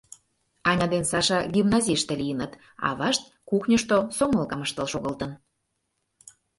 Аня ден Саша гимназийыште лийыныт, авашт кухньышто сомылкам ыштыл шогылтын.